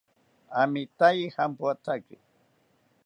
Amitaye jampoatake